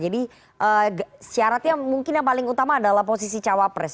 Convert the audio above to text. jadi syaratnya mungkin yang paling utama adalah posisi cawapres